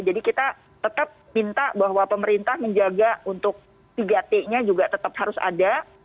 jadi kita tetap minta bahwa pemerintah menjaga untuk tiga t nya juga tetap harus ada